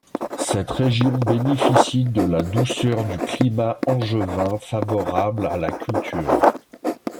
Cette région bénéficie de la douceur du climat angevin favorable à la culture.